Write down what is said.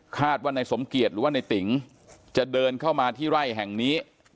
ว่านายสมเกียจหรือว่าในติ๋งจะเดินเข้ามาที่ไร่แห่งนี้